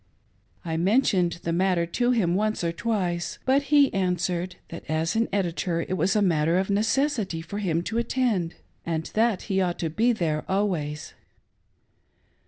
I mentioned the matter to him once or twice, but he answered, that as an edi tor it was a matter of necessity for him to attend, and that he ought to be there always.